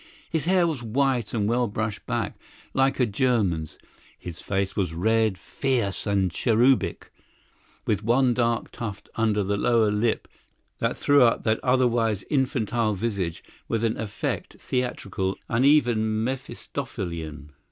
His hair was white and well brushed back like a German's; his face was red, fierce and cherubic, with one dark tuft under the lower lip that threw up that otherwise infantile visage with an effect theatrical and even Mephistophelean.